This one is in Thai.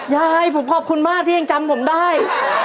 ยายผมขอบคุณมากที่ยังจำผมได้